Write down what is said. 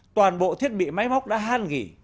toàn bộ thiết bị máy móc đã hàn nghỉ